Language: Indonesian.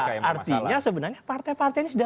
yang memasalah artinya sebenarnya partai partai ini